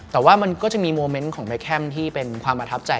แต่ว่ามันก็จะมีโมเมนต์ของแม่แคมที่เป็นความประทับใจ